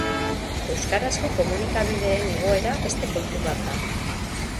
Euskarazko komunikabideen egoera beste kontu bat da.